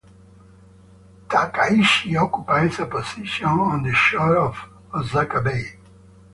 Takaishi occupies a position on the shore of Osaka Bay.